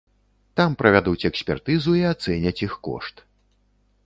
Там правядуць экспертызу і ацэняць іх кошт.